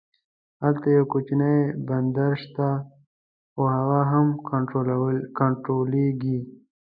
هلته یو کوچنی بندر شته خو هغه هم کنټرولېږي.